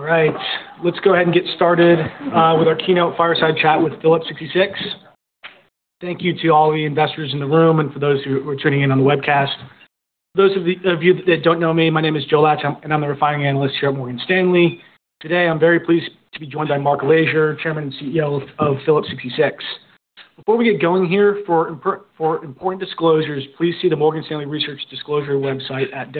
All right, let's go ahead and get started with our keynote fireside chat with Phillips 66. Thank you to all the investors in the room and for those who are tuning in on the webcast. Those of you that don't know me, my name is Joe Laetsch, and I'm the refining analyst here at Morgan Stanley. Today, I'm very pleased to be joined by Mark Lashier, Chairman and CEO of Phillips 66. Before we get going here, for important disclosures, please see the Morgan Stanley research disclosure website at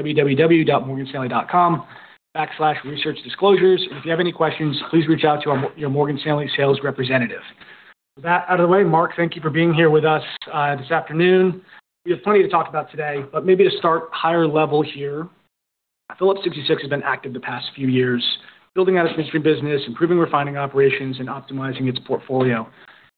www.morganstanley.com/researchdisclosures. If you have any questions, please reach out to your Morgan Stanley sales representative. With that out of the way, Mark, thank you for being here with us this afternoon. We have plenty to talk about today, but maybe to start higher level here. Phillips 66 has been active the past few years, building out its history business, improving refining operations, and optimizing its portfolio.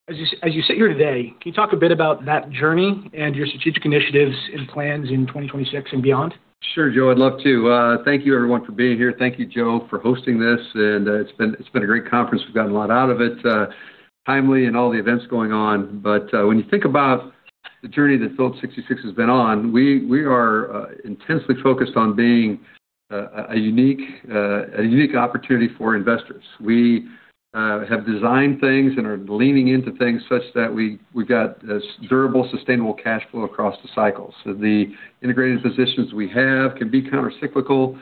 As you sit here today, can you talk a bit about that journey and your strategic initiatives and plans in 2026 and beyond? Sure, Joe, I'd love to. Thank you everyone for being here. Thank you, Joe, for hosting this. It's been a great conference. We've gotten a lot out of it, timely and all the events going on. When you think about the journey that Phillips 66 has been on, we are intensely focused on being a unique opportunity for investors. We have designed things and are leaning into things such that we've got this durable, sustainable cash flow across the cycles. The integrated positions we have can be countercyclical.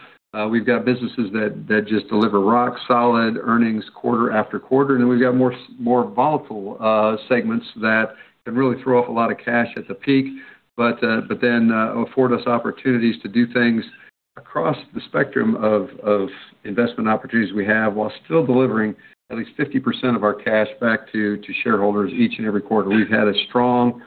We've got businesses that just deliver rock solid earnings quarter after quarter. We've got more volatile segments that can really throw off a lot of cash at the peak. Then afford us opportunities to do things across the spectrum of investment opportunities we have, while still delivering at least 50% of our cash back to shareholders each and every quarter. We've had a strong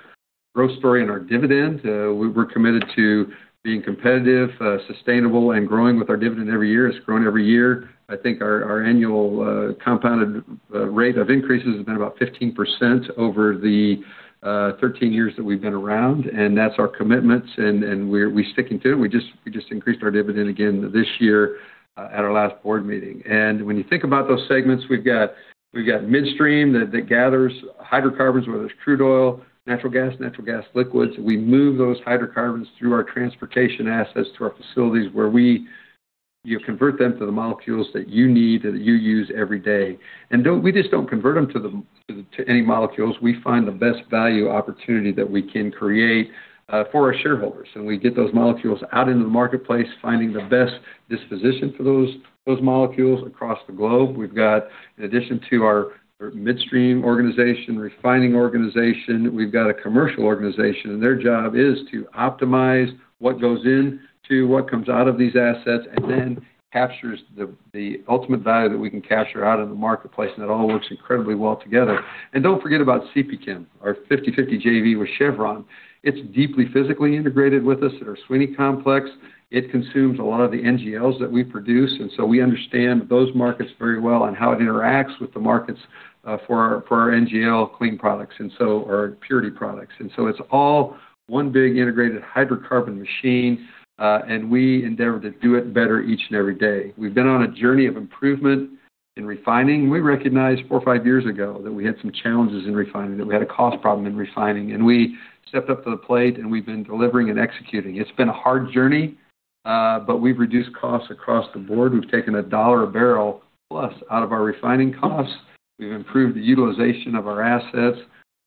growth story in our dividend. We're committed to being competitive, sustainable, and growing with our dividend every year. It's grown every year. I think our annual compounded rate of increases has been about 15% over the 13 years that we've been around, and that's our commitments, and we're sticking to it. We just increased our dividend again this year at our last board meeting. When you think about those segments, we've got midstream that gathers hydrocarbons, whether it's crude oil, natural gas, natural gas liquids. We move those hydrocarbons through our transportation assets to our facilities where we, you know, convert them to the molecules that you need, that you use every day. We just don't convert them to any molecules. We find the best value opportunity that we can create for our shareholders. We get those molecules out into the marketplace, finding the best disposition for those molecules across the globe. We've got, in addition to our midstream organization, refining organization, we've got a commercial organization, and their job is to optimize what goes in to what comes out of these assets and then captures the ultimate value that we can capture out of the marketplace. It all works incredibly well together. Don't forget about CPChem, our 50/50 JV with Chevron. It's deeply physically integrated with us at our Sweeney Complex. It consumes a lot of the NGLs that we produce, and so we understand those markets very well and how it interacts with the markets for our NGL clean products or purity products. It's all one big integrated hydrocarbon machine, and we endeavor to do it better each and every day. We've been on a journey of improvement in refining. We recognized four or five years ago that we had some challenges in refining, that we had a cost problem in refining, and we stepped up to the plate and we've been delivering and executing. It's been a hard journey, but we've reduced costs across the board. We've taken $1 a barrel plus out of our refining costs. We've improved the utilization of our assets.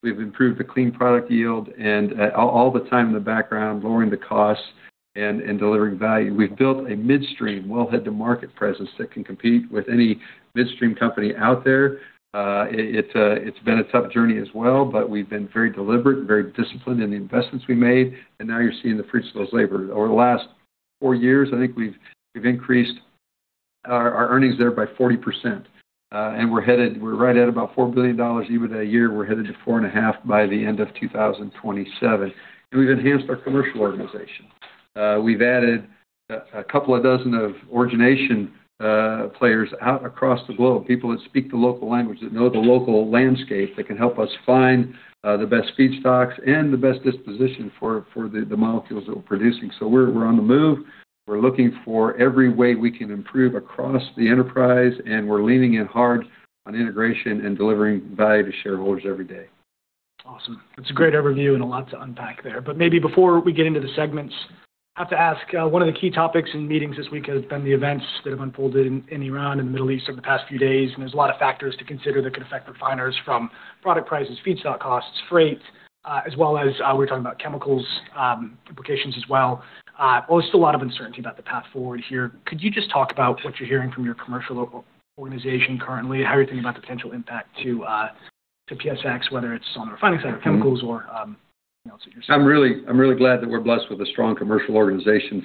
We've improved the clean product yield and all the time in the background, lowering the costs and delivering value. We've built a midstream wellhead-to-market presence that can compete with any midstream company out there. It's been a tough journey as well, but we've been very deliberate and very disciplined in the investments we made, and now you're seeing the fruits of those labor. Over the last four years, I think we've increased our earnings there by 40%. We're right at about $4 billion EBITDA a year. We're headed to four and a half by the end of 2027. We've enhanced our commercial organization. We've added a couple of dozen of origination players out across the globe, people that speak the local language, that know the local landscape, that can help us find the best feedstocks and the best disposition for the molecules that we're producing. We're on the move. We're looking for every way we can improve across the enterprise, and we're leaning in hard on integration and delivering value to shareholders every day. Awesome. That's a great overview and a lot to unpack there. Maybe before we get into the segments, I have to ask, one of the key topics in meetings this week has been the events that have unfolded in Iran and the Middle East over the past few days, and there's a lot of factors to consider that could affect refiners from product prices, feedstock costs, freight, as well as, we're talking about chemicals, implications as well. Well, there's still a lot of uncertainty about the path forward here. Could you just talk about what you're hearing from your commercial local organization currently? How are you thinking about potential impact to PSX, whether it's on the refining side or chemicals or anything else that you're seeing? I'm really glad that we're blessed with a strong commercial organization.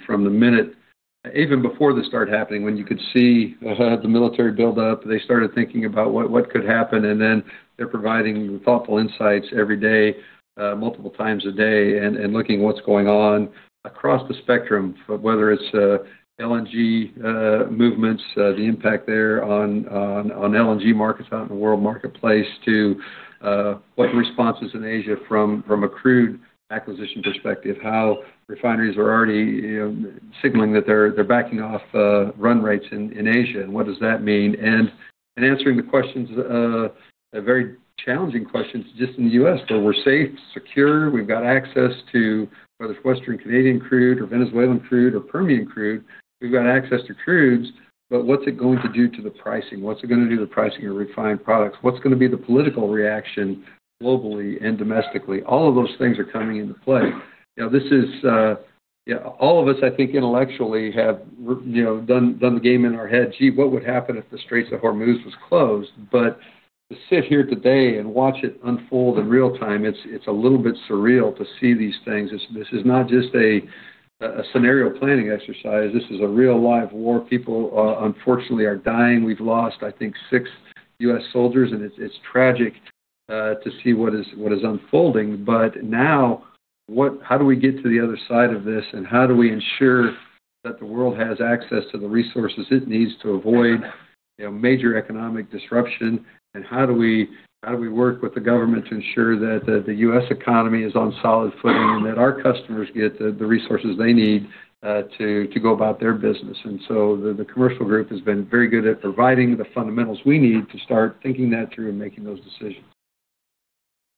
Even before this started happening when you could see the military build up, they started thinking about what could happen, and then they're providing thoughtful insights every day, multiple times a day and looking what's going on across the spectrum. Whether it's LNG movements, the impact there on LNG markets out in the world marketplace to what the response is in Asia from a crude acquisition perspective. How refineries are already, you know, signaling that they're backing off run rates in Asia and what does that mean? Answering the questions, the very challenging questions just in the U.S., where we're safe, secure, we've got access to whether it's Western Canadian crude or Venezuelan crude or Permian crude. We've got access to crudes, what's it going to do to the pricing? What's it going to do to the pricing of refined products? What's going to be the political reaction globally and domestically? All of those things are coming into play. You know, this is, all of us, I think, intellectually have, you know, done the game in our head. Gee, what would happen if the Straits of Hormuz was closed? To sit here today and watch it unfold in real-time, it's a little bit surreal to see these things. This is not just a scenario planning exercise. This is a real-life war. People, unfortunately are dying. We've lost, I think, six U.S. soldiers, and it's tragic to see what is unfolding. Now, how do we get to the other side of this, and how do we ensure that the world has access to the resources it needs to avoid, you know, major economic disruption? How do we work with the government to ensure that the U.S. economy is on solid footing and that our customers get the resources they need to go about their business? The commercial group has been very good at providing the fundamentals we need to start thinking that through and making those decisions.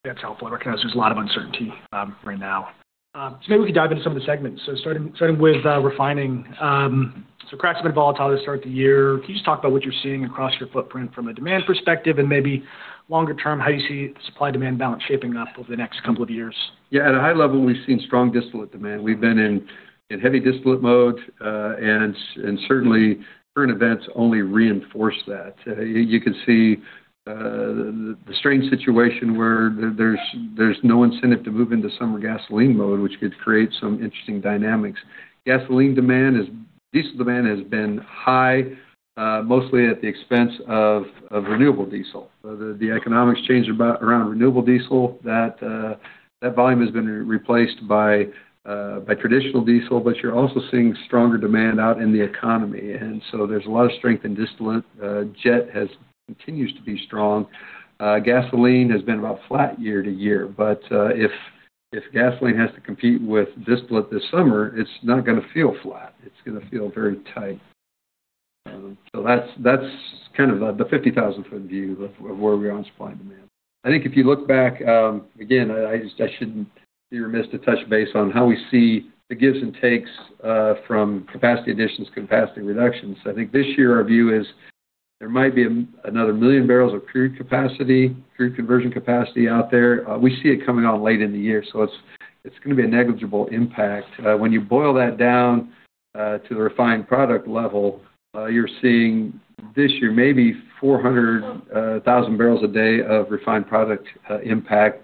That's helpful. I recognize there's a lot of uncertainty right now. Maybe we could dive into some of the segments. Starting with refining. Crack's been volatile to start the year. Can you just talk about what you're seeing across your footprint from a demand perspective and maybe longer term, how you see the supply-demand balance shaping up over the next couple of years? Yeah. At a high level, we've seen strong distillate demand. We've been in heavy distillate mode, and certainly current events only reinforce that. You can see the strange situation where there's no incentive to move into summer gasoline mode, which could create some interesting dynamics. Gasoline demand is... Diesel demand has been high, mostly at the expense of renewable diesel. The economics changed about around renewable diesel, that volume has been replaced by traditional diesel, but you're also seeing stronger demand out in the economy. There's a lot of strength in distillate. Jet continues to be strong. Gasoline has been about flat year-to-year. If gasoline has to compete with distillate this summer, it's not gonna feel flat. It's gonna feel very tight. That's kind of the 50,000 ft view of where we are on supply and demand. I think if you look back, again, I shouldn't be remiss to touch base on how we see the gives and takes from capacity additions, capacity reductions. I think this year our view is there might be another million barrels of crude capacity, crude conversion capacity out there. We see it coming out late in the year, it's gonna be a negligible impact. When you boil that down to the refined product level, you're seeing this year maybe 400,000 bbls a day of refined product impact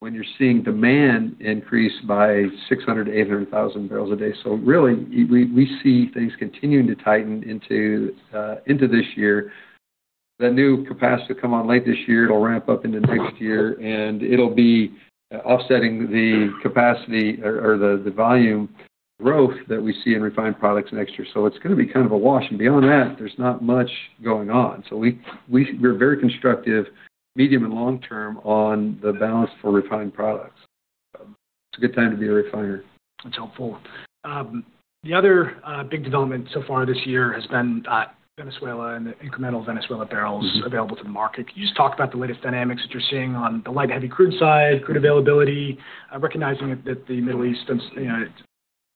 when you're seeing demand increase by 600,000 bbls-800,000 bbls a day. Really, we see things continuing to tighten into this year. The new capacity come on late this year, it'll ramp up into next year, and it'll be offsetting the capacity or the volume growth that we see in refined products next year. It's gonna be kind of a wash. Beyond that, there's not much going on. We're very constructive, medium and long term on the balance for refined products. It's a good time to be a refiner. That's helpful. The other big development so far this year has been Venezuela and the incremental Venezuela barrels available to the market. Can you just talk about the latest dynamics that you're seeing on the light heavy crude side, crude availability, recognizing that the Middle East does, you know,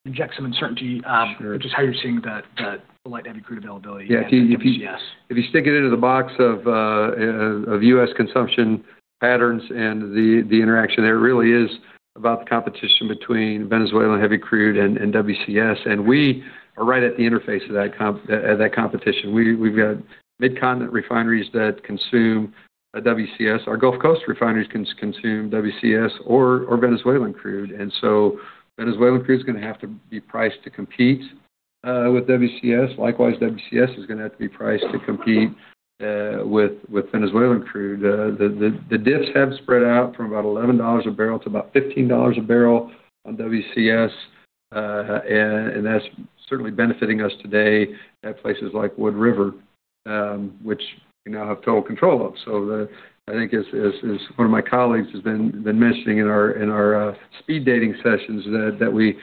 inject some uncertainty. Sure. Just how you're seeing the light heavy crude availability against WCS. If you, if you stick it into the box of U.S. consumption patterns and the interaction, it really is about the competition between Venezuelan heavy crude and WCS. We are right at the interface of that competition. We've got Midcontinent refineries that consume WCS. Our Gulf Coast refineries consume WCS or Venezuelan crude. Venezuelan crude is gonna have to be priced to compete with WCS. Likewise, WCS is gonna have to be priced to compete with Venezuelan crude. The diffs have spread out from about $11 a barrel to about $15 a barrel on WCS. And that's certainly benefiting us today at places like Wood River, which we now have total control of. I think as one of my colleagues has been mentioning in our speed dating sessions that we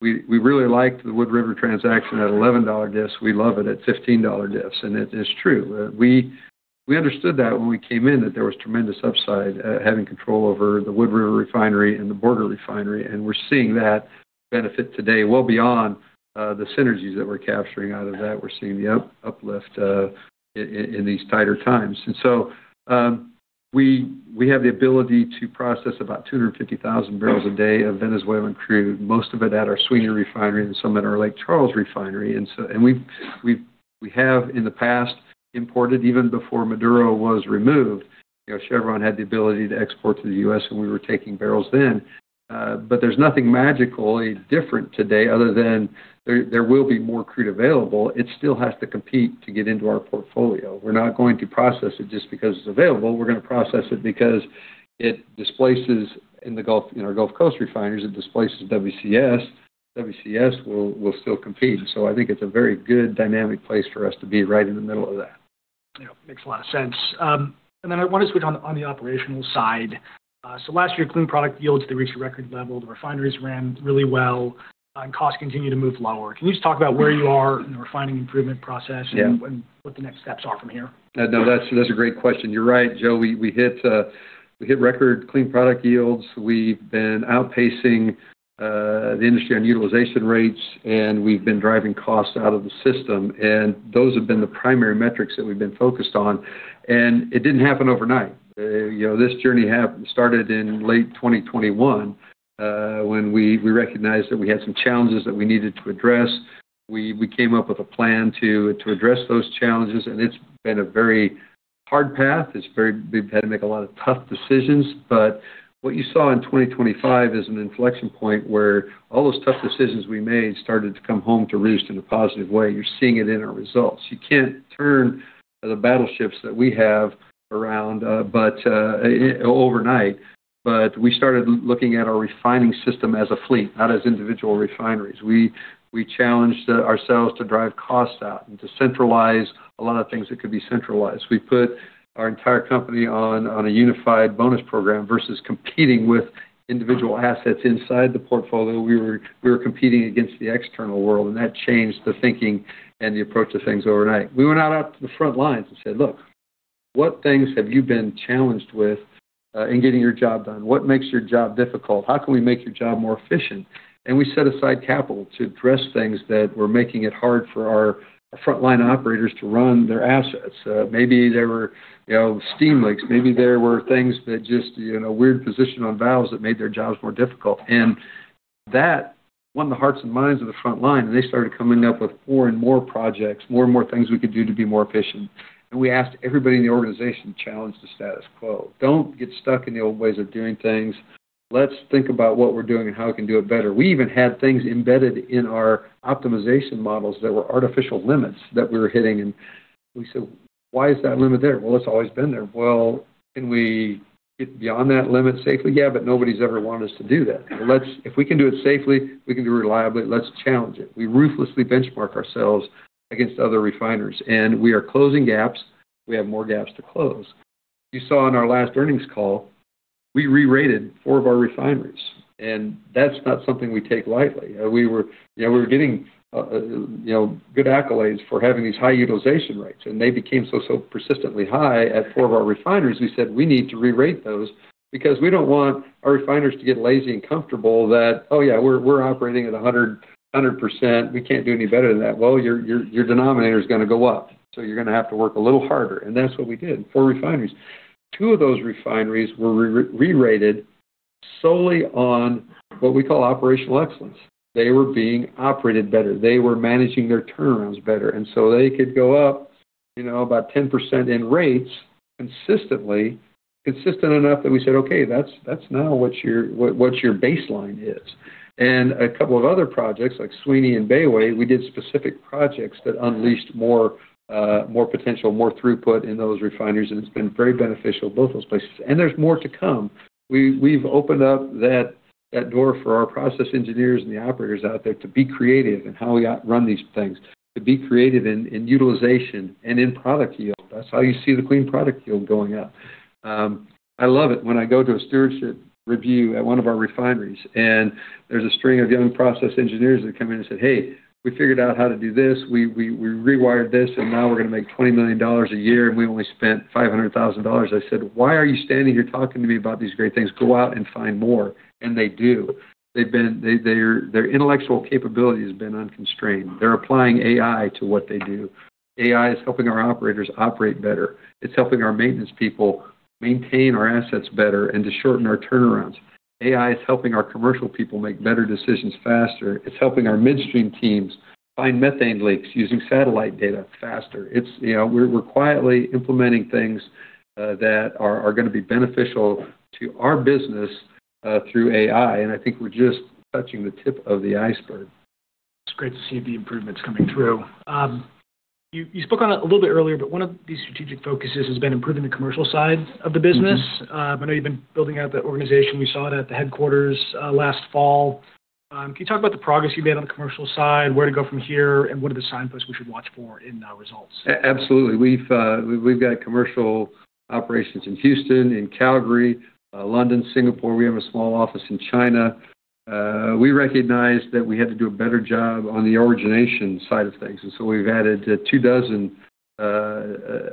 really liked the Wood River transaction at $11 diffs. We love it at $15 diffs. It is true. We understood that when we came in, that there was tremendous upside, having control over the Wood River Refinery and the Borger Refinery. We're seeing that benefit today well beyond the synergies that we're capturing out of that. We're seeing the uplift in these tighter times. We have the ability to process about 250,000 bbls a day of Venezuelan crude, most of it at our Sweeny Refinery and some at our Lake Charles Refinery. We have in the past imported even before Maduro was removed. You know, Chevron had the ability to export to the U.S., and we were taking barrels then. There's nothing magically different today other than there will be more crude available. It still has to compete to get into our portfolio. We're not going to process it just because it's available. We're gonna process it because it displaces in the Gulf, in our Gulf Coast refineries, it displaces WCS. WCS will still compete. I think it's a very good dynamic place for us to be right in the middle of that. Yeah. Makes a lot of sense. Then I want to switch on the operational side. Last year, clean product yields, they reached a record level. The refineries ran really well, and costs continue to move lower. Can you just talk about where you are in the refining improvement process? Yeah. What the next steps are from here? No, that's a great question. You're right, Joe. We hit record clean product yields. We've been outpacing the industry on utilization rates, and we've been driving costs out of the system. Those have been the primary metrics that we've been focused on. It didn't happen overnight. You know, this journey started in late 2021, when we recognized that we had some challenges that we needed to address. We came up with a plan to address those challenges, and it's been a very hard path. We've had to make a lot of tough decisions. What you saw in 2025 is an inflection point where all those tough decisions we made started to come home to roost in a positive way. You're seeing it in our results. You can't turn the battleships that we have around, but overnight. We started looking at our refining system as a fleet, not as individual refineries. We challenged ourselves to drive costs out and to centralize a lot of things that could be centralized. We put our entire company on a unified bonus program versus competing with individual assets inside the portfolio. We were competing against the external world, and that changed the thinking and the approach to things overnight. We went out to the front lines and said, "Look, what things have you been challenged with in getting your job done? What makes your job difficult? How can we make your job more efficient?" And we set aside capital to address things that were making it hard for our frontline operators to run their assets. Maybe there were, you know, steam leaks. Maybe there were things that just, you know, weird position on valves that made their jobs more difficult. That won the hearts and minds of the front line, and they started coming up with more and more projects, more and more things we could do to be more efficient. We asked everybody in the organization to challenge the status quo. Don't get stuck in the old ways of doing things. Let's think about what we're doing and how we can do it better. We even had things embedded in our optimization models that were artificial limits that we were hitting. We said, "Why is that limit there?" "It's always been there." "Can we get beyond that limit safely?" "Yeah, nobody's ever wanted us to do that." Let's if we can do it safely, we can do it reliably, let's challenge it. We ruthlessly benchmark ourselves against other refiners. We are closing gaps. We have more gaps to close. You saw in our last earnings call, we rerated four of our refineries. That's not something we take lightly. We were, you know, we were getting, you know, good accolades for having these high utilization rates. They became so persistently high at four of our refineries. We said, we need to rerate those because we don't want our refiners to get lazy and comfortable that, oh, yeah, we're operating at 100%. We can't do any better than that. Well, your, your denominator is gonna go up, so you're gonna have to work a little harder. That's what we did. Four refineries. Two of those refineries were re-rerated solely on what we call operational excellence. They were being operated better. They were managing their turnarounds better. So they could go up, you know, about 10% in rates consistently, consistent enough that we said, "Okay, that's now what your baseline is." A couple of other projects like Sweeney and Bayway, we did specific projects that unleashed more potential, more throughput in those refineries, and it's been very beneficial to both those places. There's more to come. We've opened up that door for our process engineers and the operators out there to be creative in how we outrun these things, to be creative in utilization and in product yield. That's how you see the clean product yield going up. I love it when I go to a stewardship review at one of our refineries and there's a string of young process engineers that come in and said, "Hey, we figured out how to do this. We rewired this, now we're gonna make $20 million a year, we only spent $500,000." I said, "Why are you standing here talking to me about these great things? Go out and find more." They do. They've their intellectual capability has been unconstrained. They're applying AI to what they do. AI is helping our operators operate better. It's helping our maintenance people maintain our assets better and to shorten our turnarounds. AI is helping our commercial people make better decisions faster. It's helping our midstream teams find methane leaks using satellite data faster. It's, you know, we're quietly implementing things that are gonna be beneficial to our business through AI, and I think we're just touching the tip of the iceberg. It's great to see the improvements coming through. You spoke on it a little bit earlier, but one of these strategic focuses has been improving the commercial side of the business. Mm-hmm. Now you've been building out the organization. We saw it at the headquarters last fall. Can you talk about the progress you've made on the commercial side, where to go from here, and what are the signposts we should watch for in the results? Absolutely. We've got commercial operations in Houston, in Calgary, London, Singapore. We have a small office in China. We recognized that we had to do a better job on the origination side of things. We've added two dozen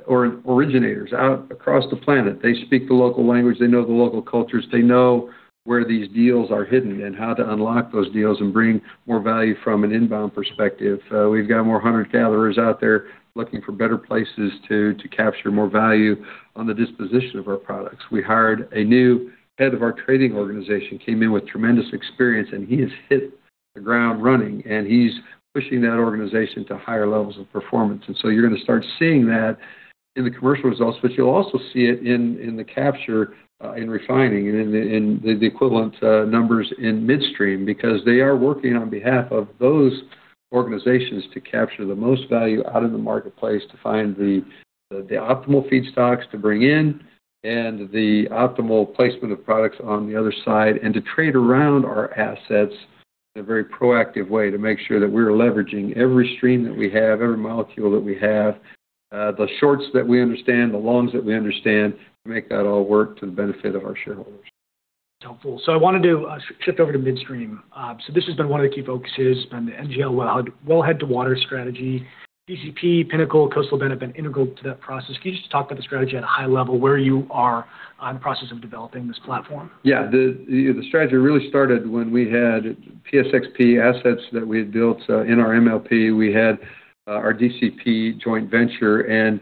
originators out across the planet. They speak the local language. They know the local cultures. They know where these deals are hidden and how to unlock those deals and bring more value from an inbound perspective. We've got more hunter-gatherers out there looking for better places to capture more value on the disposition of our products. We hired a new head of our trading organization, came in with tremendous experience, and he has hit the ground running, and he's pushing that organization to higher levels of performance. You're gonna start seeing that in the commercial results, but you'll also see it in the capture, in refining and in the equivalent numbers in midstream because they are working on behalf of those organizations to capture the most value out of the marketplace to find the optimal feedstocks to bring in and the optimal placement of products on the other side and to trade around our assets. In a very proactive way to make sure that we're leveraging every stream that we have, every molecule that we have, the shorts that we understand, the longs that we understand, to make that all work to the benefit of our shareholders. Helpful. I wanted to shift over to midstream. This has been one of the key focuses on the NGL Wellhead-to-water strategy. DCP, Pinnacle, Coastal Bend have been integral to that process. Can you just talk about the strategy at a high level, where you are on the process of developing this platform? Yeah. The strategy really started when we had PSXP assets that we had built in our MLP. We had our DCP joint venture, and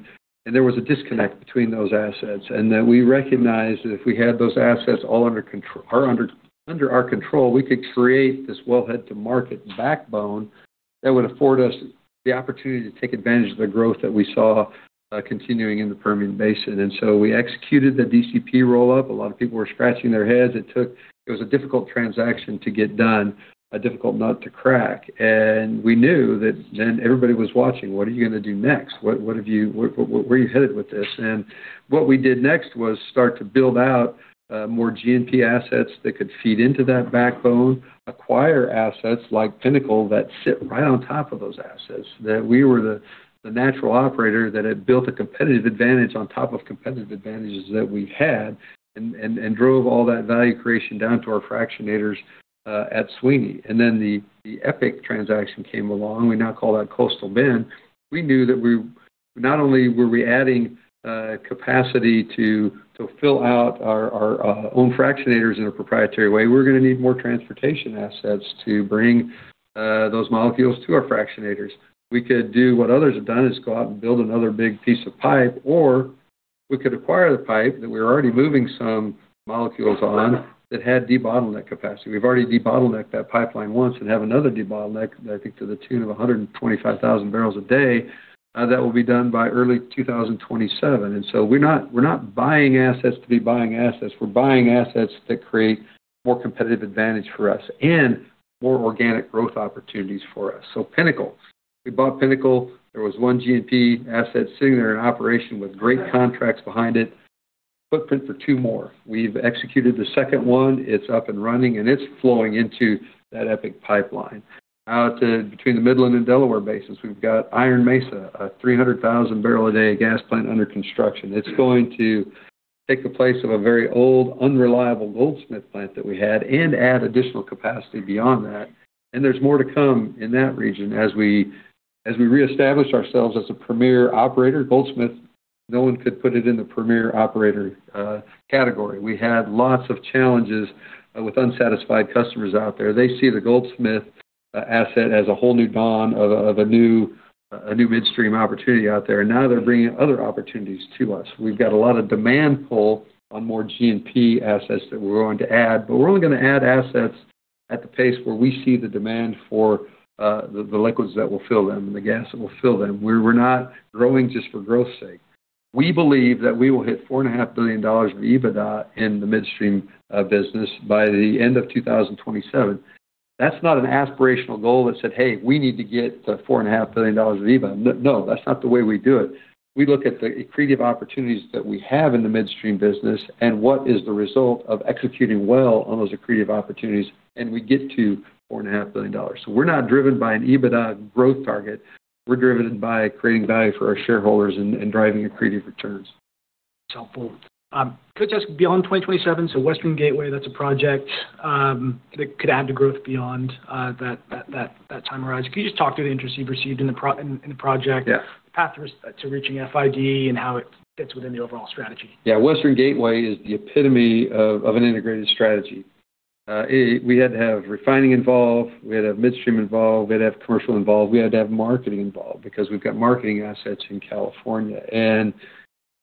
there was a disconnect between those assets. That we recognized that if we had those assets all under our control, we could create this wellhead-to-market backbone that would afford us the opportunity to take advantage of the growth that we saw continuing in the Permian Basin. We executed the DCP roll-up. A lot of people were scratching their heads. It was a difficult transaction to get done, a difficult nut to crack. We knew that then everybody was watching, "What are you gonna do next? Where are you headed with this?" What we did next was start to build out more G&P assets that could feed into that backbone, acquire assets like Pinnacle that sit right on top of those assets, that we were the natural operator that had built a competitive advantage on top of competitive advantages that we had and drove all that value creation down to our fractionators at Sweeny. Then the Epic transaction came along. We now call that Coastal Bend. Not only were we adding capacity to to fill out our own fractionators in a proprietary way, we're gonna need more transportation assets to bring those molecules to our fractionators. We could do what others have done, is go out and build another big piece of pipe, or we could acquire the pipe that we're already moving some molecules on that had debottleneck capacity. We've already debottlenecked that pipeline once and have another debottleneck, I think, to the tune of 125,000 bbls a day that will be done by early 2027. We're not buying assets to be buying assets. We're buying assets that create more competitive advantage for us and more organic growth opportunities for us. Pinnacle, we bought Pinnacle. There was one G&P asset sitting there in operation with great contracts behind it, footprint for two more. We've executed the second one. It's up and running, and it's flowing into that EPIC pipeline. Out to between the Midland and Delaware Basins, we've got Iron Mesa, a 300,000 bbls a day gas plant under construction. It's going to take the place of a very old, unreliable Goldsmith plant that we had and add additional capacity beyond that. There's more to come in that region as we, as we reestablish ourselves as a premier operator. Goldsmith, no one could put it in the premier operator, category. We had lots of challenges, with unsatisfied customers out there. They see the Goldsmith, asset as a whole new dawn of a, of a new, a new midstream opportunity out there. Now they're bringing other opportunities to us. We've got a lot of demand pull on more G&P assets that we're going to add, but we're only gonna add assets at the pace where we see the demand for the liquids that will fill them and the gas that will fill them. We're not growing just for growth's sake. We believe that we will hit $4.5 billion of EBITDA in the midstream business by the end of 2027. That's not an aspirational goal that said, Hey, we need to get to $4.5 billion of EBITDA. No, that's not the way we do it. We look at the accretive opportunities that we have in the midstream business and what is the result of executing well on those accretive opportunities, and we get to $4.5 billion. We're not driven by an EBITDA growth target. We're driven by creating value for our shareholders and driving accretive returns. That's helpful. Beyond 2027, Western Gateway, that's a project, that could add to growth beyond that time horizon. Can you just talk through the interest you've received in the project? Yeah. Path to reaching FID and how it fits within the overall strategy? Yeah. Western Gateway is the epitome of an integrated strategy. We had to have refining involved, we had to have midstream involved, we had to have commercial involved, we had to have marketing involved because we've got marketing assets in California.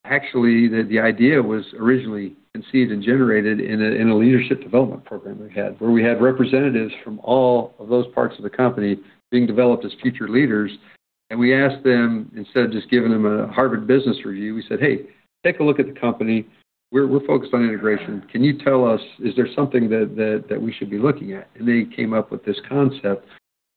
Actually, the idea was originally conceived and generated in a leadership development program we had, where we had representatives from all of those parts of the company being developed as future leaders. We asked them, instead of just giving them a Harvard Business Review, we said, "Hey, take a look at the company. We're focused on integration. Can you tell us, is there something that we should be looking at?" They came up with this concept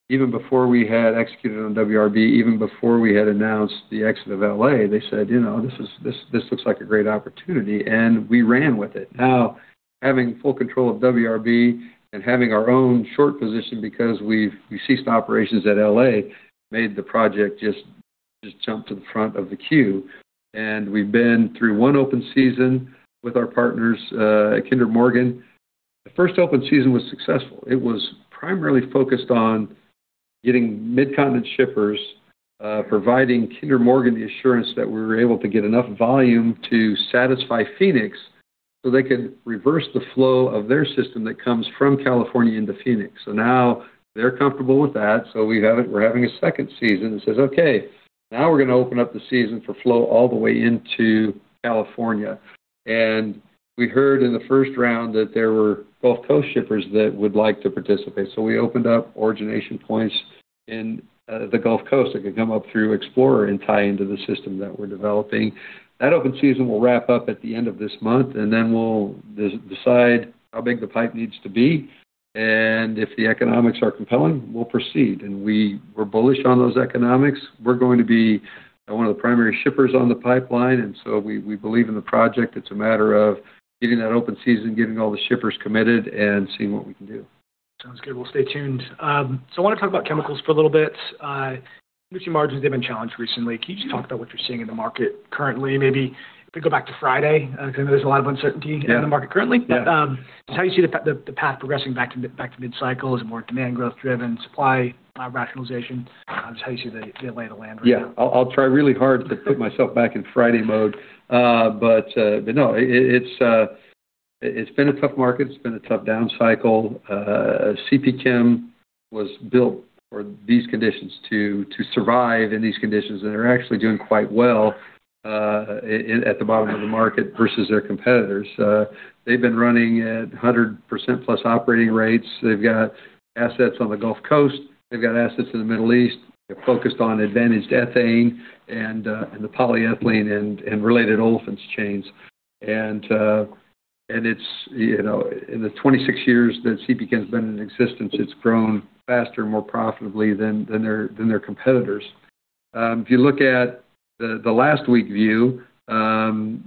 even before we had executed on WRB, even before we had announced the exit of L.A. They said, "You know, this looks like a great opportunity," and we ran with it. Now, having full control of WRB and having our own short position because we ceased operations at L.A., made the project just jump to the front of the queue. We've been through one open season with our partners at Kinder Morgan. The first open season was successful. It was primarily focused on getting Midcontinent shippers providing Kinder Morgan the assurance that we were able to get enough volume to satisfy Phoenix so they could reverse the flow of their system that comes from California into Phoenix. Now they're comfortable with that, so we're having a second season that says, "Okay, now we're gonna open up the season for flow all the way into California." We heard in the first round that there were Gulf Coast shippers that would like to participate. We opened up origination points in the Gulf Coast that could come up through Explorer and tie into the system that we're developing. That open season will wrap up at the end of this month, and then we'll decide how big the pipe needs to be, and if the economics are compelling, we'll proceed. We're bullish on those economics. We're going to be one of the primary shippers on the pipeline, and so we believe in the project. It's a matter of getting that open season, getting all the shippers committed, and seeing what we can do. Sounds good. We'll stay tuned. I wanna talk about chemicals for a little bit. Margins, they've been challenged recently. Mm-hmm. Can you just talk about what you're seeing in the market currently? Maybe if we go back to Friday, 'cause I know there's a lot of uncertainty in the market currently? Yeah. How do you see the path progressing back to mid-cycle? Is it more demand growth driven, supply, rationalization? Just how do you see the lay of the land right now? Yeah. I'll try really hard to put myself back in Friday mode. No, it's been a tough market. It's been a tough down cycle. CPChem was built for these conditions to survive in these conditions, and they're actually doing quite well at the bottom of the market versus their competitors. They've been running at 100% plus operating rates. They've got assets on the Gulf Coast. They've got assets in the Middle East. They're focused on advantaged ethane and the polyethylene and related olefins chains. You know, in the 26 years that CPChem's been in existence, it's grown faster and more profitably than their competitors. If you look at the last week view, North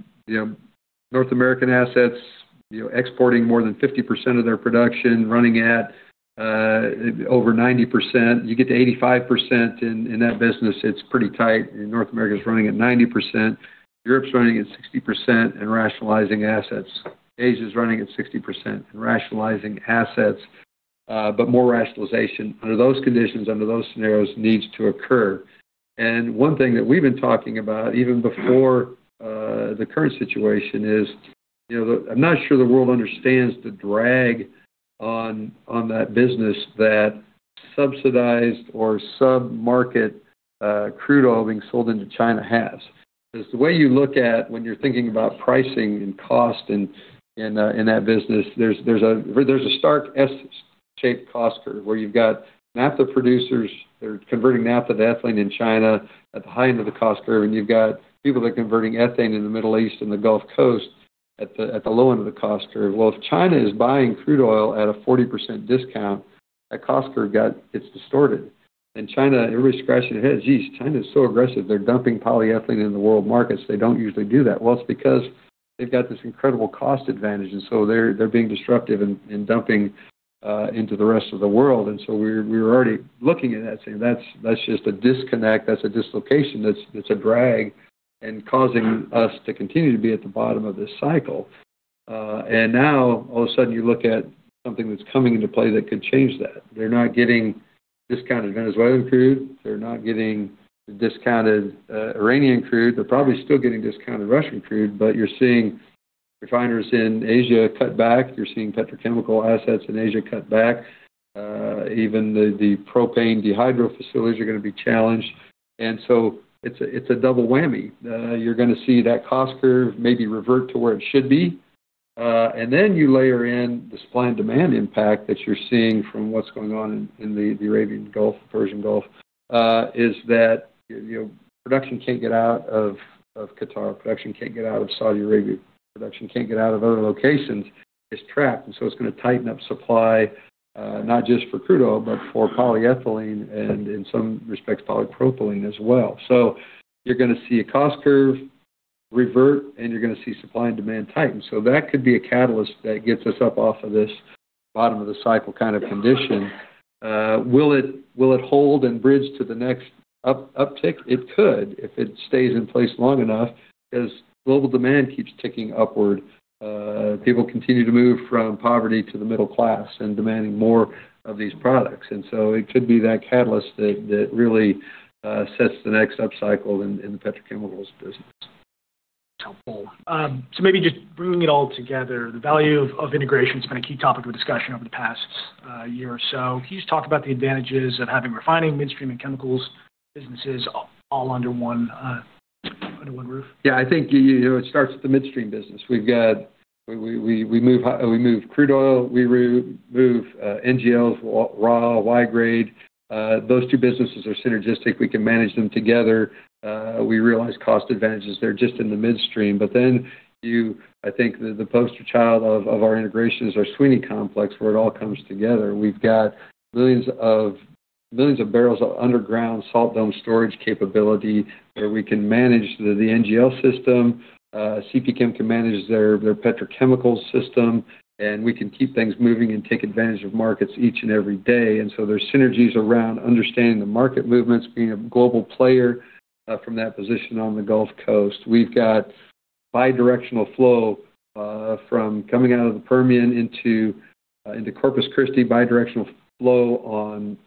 American assets, exporting more than 50% of their production running at, over 90%. You get to 85% in that business, it's pretty tight. North America's running at 90%. Europe's running at 60% and rationalizing assets. Asia's running at 60% and rationalizing assets. More rationalization under those conditions, under those scenarios needs to occur. One thing that we've been talking about, even before, the current situation is, I'm not sure the world understands the drag on that business that subsidized or sub-market, crude oil being sold into China has. 'Cause the way you look at when you're thinking about pricing and cost in that business, there's a, there's a stark S-shaped cost curve where you've got naphtha producers that are converting naphtha to ethylene in China at the high end of the cost curve, and you've got people that are converting ethane in the Middle East and the Gulf Coast at the, at the low end of the cost curve. Well, if China is buying crude oil at a 40% discount, that cost curve it's distorted. China, everybody's scratching their heads, geez, China's so aggressive. They're dumping polyethylene in the world markets. They don't usually do that. Well, it's because they've got this incredible cost advantage, and so they're being disruptive and dumping into the rest of the world. We were already looking at that saying, "That's, that's just a disconnect. That's a dislocation. That's, that's a drag and causing us to continue to be at the bottom of this cycle." Now all of a sudden you look at something that's coming into play that could change that. They're not getting discounted Venezuelan crude. They're not getting the discounted Iranian crude. They're probably still getting discounted Russian crude, but you're seeing refiners in Asia cut back. You're seeing petrochemical assets in Asia cut back. Even the propane dehydrogenation facilities are gonna be challenged. It's a double whammy. You're gonna see that cost curve maybe revert to where it should be. Then you layer in the supply and demand impact that you're seeing from what's going on in the Arabian Gulf, Persian Gulf, is that, you know, production can't get out of Qatar. Production can't get out of Saudi Arabia. Production can't get out of other locations. It's trapped, and so it's gonna tighten up supply, not just for crude oil, but for polyethylene and in some respects, polypropylene as well. You're gonna see a cost curve revert, and you're gonna see supply and demand tighten. That could be a catalyst that gets us up off of this bottom of the cycle kind of condition. Will it hold and bridge to the next uptick? It could if it stays in place long enough, as global demand keeps ticking upward, people continue to move from poverty to the middle class and demanding more of these products. It could be that catalyst that really sets the next upcycle in the petrochemicals business. That's helpful. Maybe just bringing it all together, the value of integration has been a key topic of discussion over the past year or so. Can you just talk about the advantages of having refining, midstream, and chemicals businesses all under one under one roof? I think, you know, it starts with the midstream business. We move crude oil. We move NGLs, raw, Y-grade. Those two businesses are synergistic. We can manage them together. We realize cost advantages there just in the midstream. I think the poster child of our integration is our Sweeny Complex, where it all comes together. We've got millions of barrels of underground salt dome storage capability, where we can manage the NGL system, CPChem can manage their petrochemical system, and we can keep things moving and take advantage of markets each and every day. There's synergies around understanding the market movements, being a global player from that position on the Gulf Coast. We've got bi-directional flow from coming out of the Permian into Corpus Christi, bi-directional flow on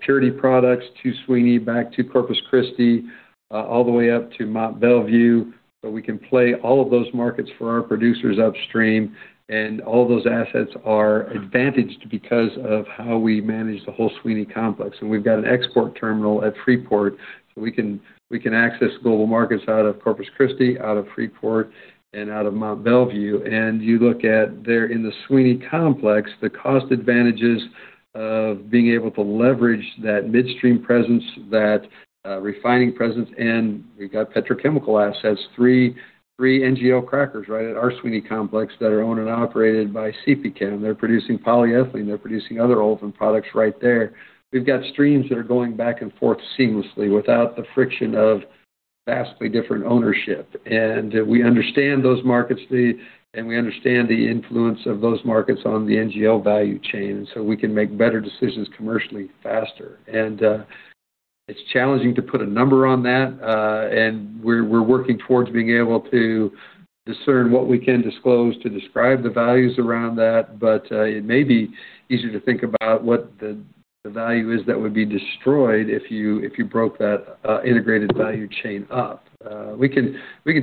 purity products to Sweeny back to Corpus Christi, all the way up to Mont Belvieu. We can play all of those markets for our producers upstream, and all those assets are advantaged because of how we manage the whole Sweeny Complex. We've got an export terminal at Freeport, so we can access global markets out of Corpus Christi, out of Freeport, and out of Mont Belvieu. You look at there in the Sweeny Complex, the cost advantages of being able to leverage that midstream presence, that refining presence, and we've got petrochemical assets, three NGL crackers right at our Sweeny Complex that are owned and operated by CPChem. They're producing polyethylene. They're producing other olefin products right there. We've got streams that are going back and forth seamlessly without the friction of vastly different ownership. We understand those markets, and we understand the influence of those markets on the NGL value chain, so we can make better decisions commercially, faster. It's challenging to put a number on that, and we're working towards being able to discern what we can disclose to describe the values around that. It may be easier to think about what the value is that would be destroyed if you broke that integrated value chain up. We can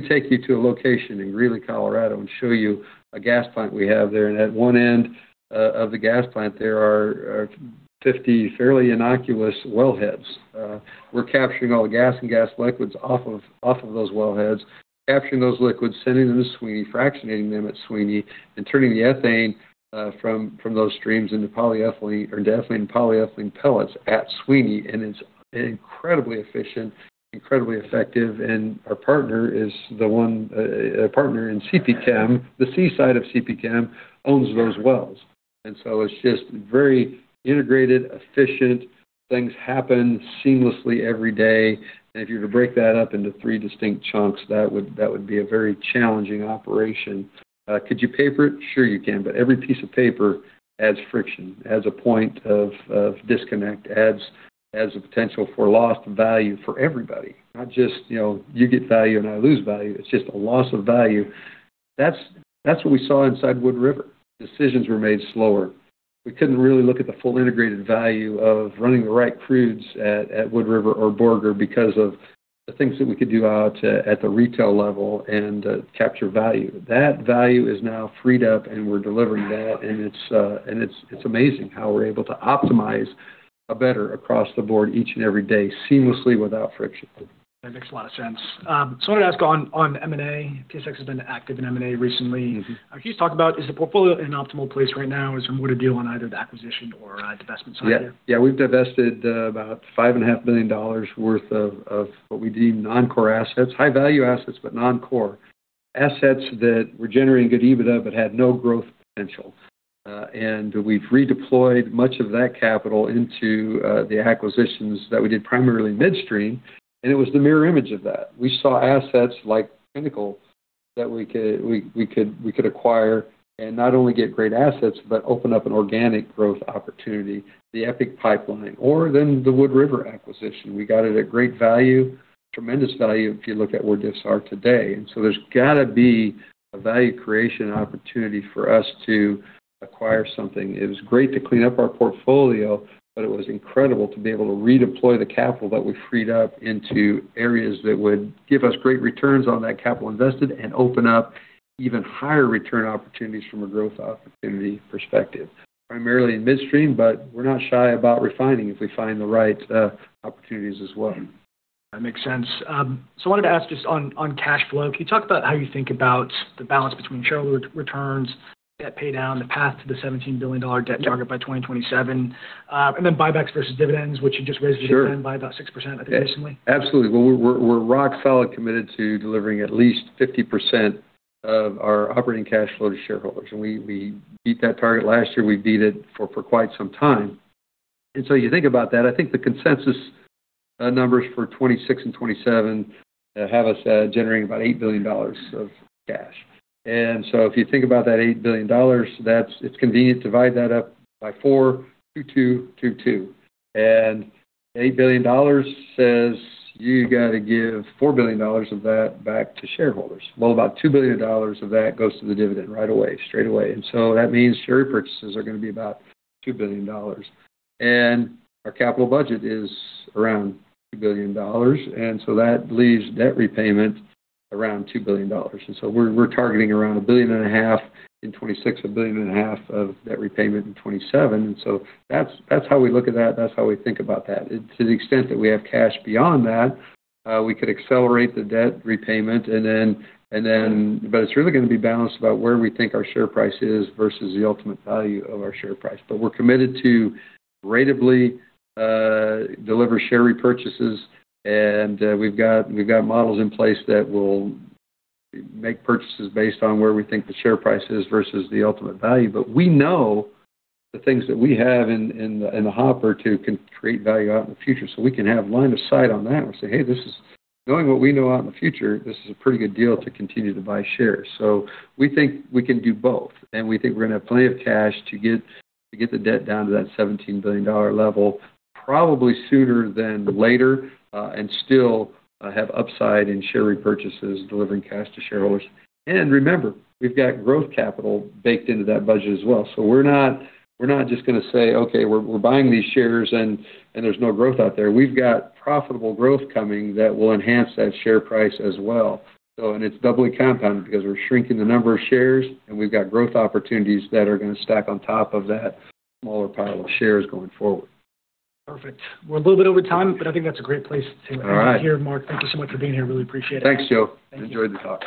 take you to a location in Greeley, Colorado, and show you a gas plant we have there. At one end of the gas plant, there are 50 fairly innocuous wellheads. We're capturing all the gas and gas liquids off of those wellheads, capturing those liquids, sending them to Sweeney, fractionating them at Sweeney, and turning the ethane from those streams into ethylene polyethylene pellets at Sweeney. It's incredibly efficient, incredibly effective, and our partner is the one partner in CPChem, the C side of CPChem owns those wells. It's just very integrated, efficient. Things happen seamlessly every day. If you were to break that up into three distinct chunks, that would be a very challenging operation. Could you paper it? Sure, you can, but every piece of paper adds friction, adds a point of disconnect, adds a potential for lost value for everybody. Not just, you know, you get value and I lose value. It's just a loss of value. That's what we saw inside Wood River. Decisions were made slower. We couldn't really look at the full integrated value of running the right crudes at Wood River or Borger because of the things that we could do at the retail level and capture value. That value is now freed up, and we're delivering that. It's amazing how we're able to optimize better across the board each and every day seamlessly without friction. That makes a lot of sense. I wanted to ask on M&A. TSX has been active in M&A recently. Mm-hmm. I want you to talk about, is the portfolio in an optimal place right now? Is there more to do on either the acquisition or divestment side here? Yeah. We've divested about five and a half billion dollars worth of what we deem non-core assets. High value assets, but non-core. Assets that were generating good EBITDA but had no growth potential. We've redeployed much of that capital into the acquisitions that we did primarily midstream. It was the mirror image of that. We saw assets like Pinnacle that we could acquire and not only get great assets, but open up an organic growth opportunity, the EPIC Pipeline or the Wood River acquisition. We got it at great value, tremendous value if you look at where diffs are today. There's gotta be a value creation opportunity for us to acquire something. It was great to clean up our portfolio, but it was incredible to be able to redeploy the capital that we freed up into areas that would give us great returns on that capital invested and open up even higher return opportunities from a growth opportunity perspective. Primarily in midstream, but we're not shy about refining if we find the right opportunities as well. That makes sense. I wanted to ask just on cash flow. Can you talk about how you think about the balance between shareholder returns, debt pay down, the path to the $17 billion debt target by 2027? Buybacks versus dividends, which you just raised? Sure.... again by about 6%, I think recently. Absolutely. Well, we're rock solid committed to delivering at least 50% of our operating cash flow to shareholders. We beat that target last year. We beat it for quite some time. You think about that, I think the consensus numbers for 2026 and 2027 have us generating about $8 billion of cash. If you think about that $8 billion, that's it's convenient to divide that up by 4, 2, 2. $8 billion says you gotta give $4 billion of that back to shareholders. Well, about $2 billion of that goes to the dividend right away, straight away. That means share repurchases are gonna be about $2 billion. Our capital budget is around $2 billion, that leaves debt repayment around $2 billion. We're targeting around $1.5 billion in 2026, 1.5 billion of debt repayment in 2027. That's how we look at that. That's how we think about that. To the extent that we have cash beyond that, we could accelerate the debt repayment and then... It's really gonna be balanced about where we think our share price is versus the ultimate value of our share price. We're committed to ratably deliver share repurchases. We've got models in place that will make purchases based on where we think the share price is versus the ultimate value. We know the things that we have in the hopper too, can create value out in the future. We can have line of sight on that and say, "Hey, this is knowing what we know out in the future, this is a pretty good deal to continue to buy shares." We think we can do both, and we think we're gonna have plenty of cash to get the debt down to that $17 billion level probably sooner than later, and still have upside in share repurchases, delivering cash to shareholders. Remember, we've got growth capital baked into that budget as well. We're not just gonna say, "Okay, we're buying these shares, and there's no growth out there." We've got profitable growth coming that will enhance that share price as well. It's doubly compounded because we're shrinking the number of shares, and we've got growth opportunities that are gonna stack on top of that smaller pile of shares going forward. Perfect. We're a little bit over time, I think that's a great place to end it here. All right. Mark, thank you so much for being here. Really appreciate it. Thanks, Joe. Thank you. Enjoyed the talk.